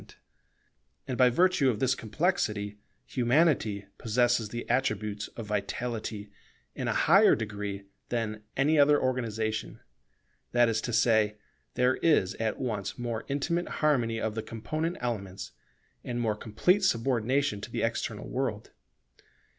[Statical Aspects of Humanity] And by virtue of this complexity, Humanity possesses the attributes of vitality in a higher degree than any other organization; that is to say, there is at once more intimate harmony of the component elements, and more complete subordination to the external world.